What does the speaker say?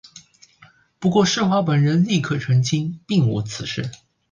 不过施华本人立刻澄清并无此事。